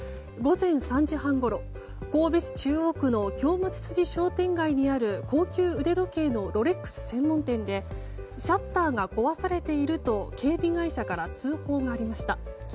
午前３時半ごろ神戸市中央区の京町筋商店街にある高級腕時計のロレックス専門店でシャッターが壊されていると警備会社から通報がありました。